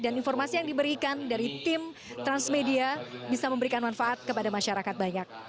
dan informasi yang diberikan dari tim transmedia bisa memberikan manfaat kepada masyarakat banyak